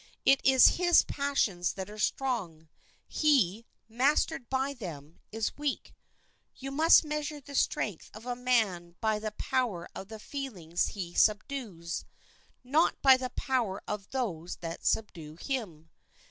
It is his passions that are strong; he, mastered by them, is weak. You must measure the strength of a man by the power of the feelings he subdues, not by the power of those that subdue him.